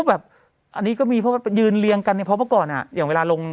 แบบอันนี้ก็มีเพราะว่ายืนเรียงกันเนี่ยเพราะเมื่อก่อนอ่ะอย่างเวลาลง